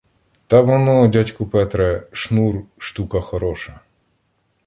— Та воно, дядьку Петре, шнур — штука хороша.